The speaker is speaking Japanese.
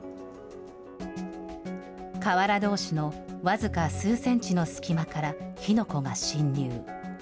瓦どうしの僅か数センチの隙間から火の粉が侵入。